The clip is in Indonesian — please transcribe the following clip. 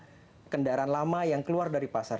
tidak diiringi dengan kendaraan lama yang keluar dari pasar